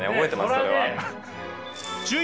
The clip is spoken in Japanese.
それは。